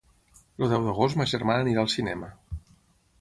El deu d'agost ma germana anirà al cinema.